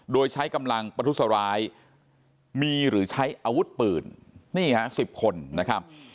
โดยใช้กำลังประทุษร้ายมีหรือใช้อาวุธปืนนี่ฮะ๑๐คนนะครับ